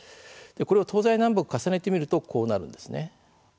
これを東西南北重ねてみるとこうなるんですね。